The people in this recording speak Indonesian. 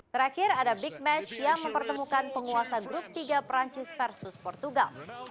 terakhir ada big match yang mempertemukan penguasa grup tiga perancis versus portugal